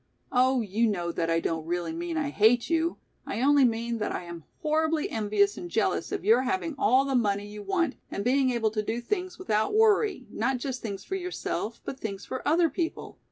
"Oh, you know that I don't really mean I hate you, I only mean that I am horribly envious and jealous of your having all the money you want and being able to do things without worry, not just things for yourself, but things for other people."